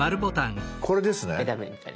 これですね。